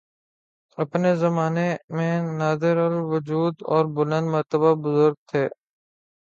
۔ اپنے زمانہ میں نادرالوجود اور بلند مرتبہ بزرگ تھے